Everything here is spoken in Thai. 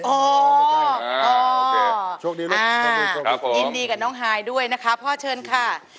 โอเคโชคดีนะครับขอบคุณครับผมอ่ายินดีกับน้องฮายด้วยนะคะพ่อเชิญค่ะ